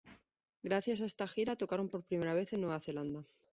Gracias a esta gira tocaron por primera vez en Nueva Zelanda.